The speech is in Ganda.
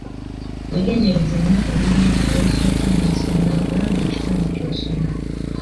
Weegendereze nnyo olunyiriri olusooka n'olusembayo olwa buli kitundu kyosoma.